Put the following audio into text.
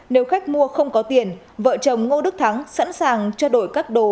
nếu khách mua không có tiền vợ chồng ngô đức thắng sẵn sàng cho đổi các đồ